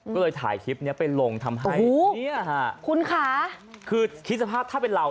ก็เลยถ่ายคลิปนี้ไปลงทำให้เนี่ยค่ะคุณค่ะคือคิดสภาพถ้าเป็นเรา